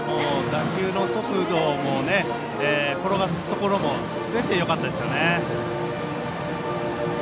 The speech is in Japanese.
打球の速度も転がすところもすべて、よかったですね。